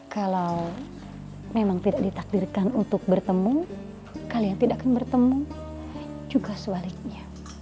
kalau memang tidak ditakdirkan untuk bertemu kalian tidak akan bertemu juga sebaliknya